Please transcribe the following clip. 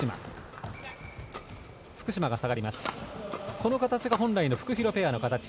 この形が本来のフクヒロペアの形。